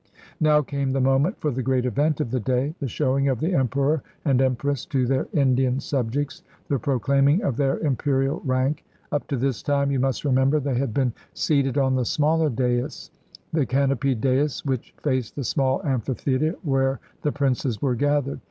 Now came the moment for the great event of the day — the showing of the Emperor and Empress to their Indian subjects, the proclaiming of their Imperial rank. Up to this time, you must remember, they had been 254 THE CORONATION DURBAR OF 191 1 seated on the smaller dais, the canopied dais which faced the small amphitheater where the princes were gathered.